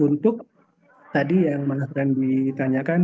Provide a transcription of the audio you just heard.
untuk yang tadi yang ditanyakan